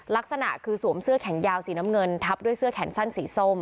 ลักษณะคือสวมเสื้อแขนยาวสีน้ำเงินทับด้วยเสื้อแขนสั้นสีส้ม